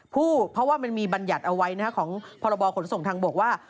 เพราะว่ามันมีบรรยัตน์เอาไว้ของพศทางบกว่า